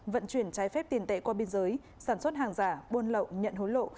vận chuyển trái phép tiền tệ qua biên giới sản xuất hàng giả buôn lậu nhận hối lộ